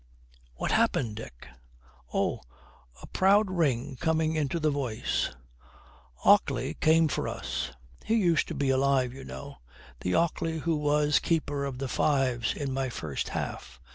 'What happened, Dick?' 'Oh!' a proud ring coming into the voice, 'Ockley came for us. He used to be alive, you know the Ockley who was keeper of the fives in my first half.